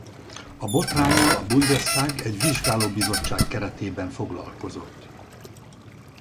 A botránnyal a Bundestag egy vizsgálóbizottság keretében foglalkozott.